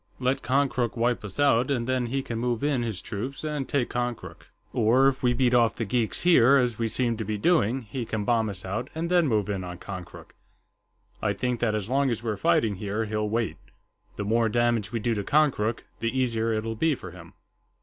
Let Konkrook wipe us out, and then he can move in his troops and take Konkrook. Or, if we beat off the geeks here, as we seem to be doing, he can bomb us out and then move in on Konkrook. I think that as long as we're fighting here, he'll wait. The more damage we do to Konkrook, the easier it'll be for him."